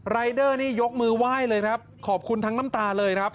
รายเดอร์นี่ยกมือไหว้เลยครับขอบคุณทั้งน้ำตาเลยครับ